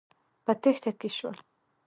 په تېښته کې شول.